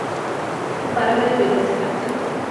খুব বাড়াবাড়ি হয়ে যাচ্ছে, ক্যাপ্টেন!